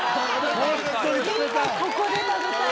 今ここで食べたい！